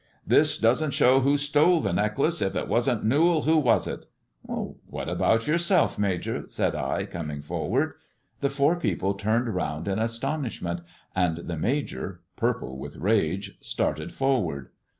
" This doesn't show who stole the necklace. If it wasn't Newall, who was it ?"" What about yourself, Major ?" said I, coming forward. The four people turned round in astonishment, and the Major, purple with rage, started forward.